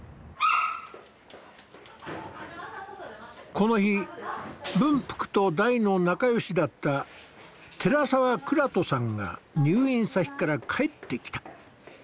この日文福と大の仲よしだった寺澤倉人さんが入院先から帰ってきた。